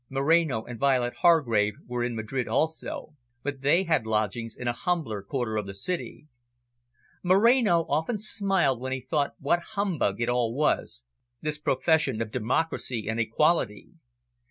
Moreno and Violet Hargrave were in Madrid also, but they had lodgings in a humbler quarter of the city. Moreno often smiled when he thought what humbug it all was, this profession of democracy and equality.